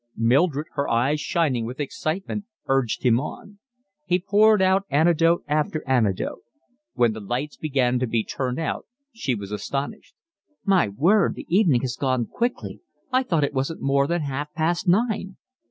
Mildred, her eyes shining with excitement, urged him on. He poured out anecdote after anecdote. When the lights began to be turned out she was astonished. "My word, the evening has gone quickly. I thought it wasn't more than half past nine."